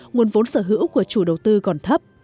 nguồn vốn sở hữu của chủ đầu tư còn thấp